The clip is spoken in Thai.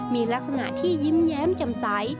มีลักษณะที่ยิ้มแย้มแจ่มใส